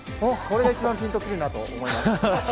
これが一番ピンとくるなと思います。